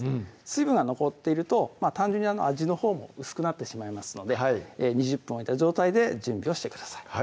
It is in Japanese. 水分が残っていると単純に味のほうも薄くなってしまいますので２０分置いた状態で準備をしてください